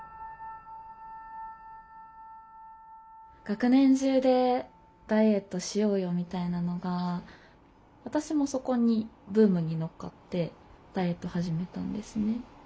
学年中でダイエットしようよみたいなのが私もそこにブームに乗っかってダイエットを始めたんですね。